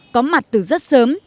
có mặt từ rất sớm